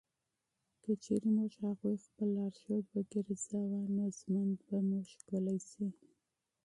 که چېرې موږ هغوی خپل لارښود وګرځوو، نو ژوند به مو ښکلی شي.